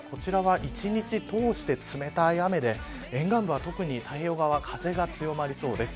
こちらは一日通して冷たい雨で沿岸部は特に太平洋側風が強まりそうです。